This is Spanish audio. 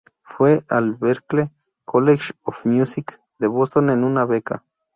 Fue al Berklee College of Music de Boston con una beca.